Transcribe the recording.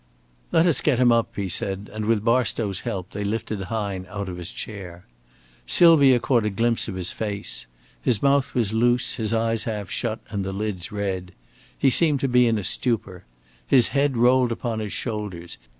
"Let us get him up," he said, and with Barstow's help they lifted Hine out of his chair. Sylvia caught a glimpse of his face. His mouth was loose, his eyes half shut, and the lids red; he seemed to be in a stupor. His head rolled upon his shoulders.